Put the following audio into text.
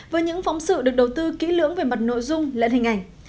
với những phóng sự được đầu tư kỹ lưỡng về mặt nội dung lẫn hình ảnh